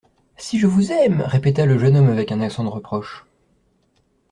—«Si je vous aime !…» répéta le jeune homme avec un accent de reproche.